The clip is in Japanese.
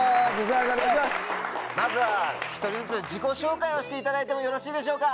まずは１人ずつ自己紹介をしていただいてもよろしいでしょうか。